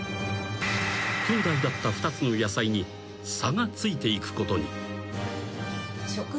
［きょうだいだった２つの野菜に差がついていくことに］